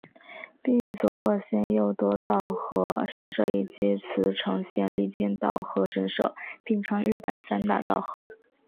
并与佐贺县佑德稻荷神社以及茨城县笠间稻荷神社并称日本三大稻荷。